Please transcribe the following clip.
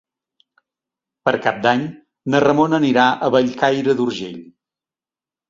Per Cap d'Any na Ramona anirà a Bellcaire d'Urgell.